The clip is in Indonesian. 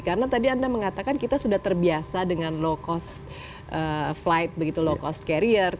karena tadi anda mengatakan kita sudah terbiasa dengan low cost flight low cost carrier